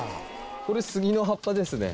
これ杉の葉っぱですね。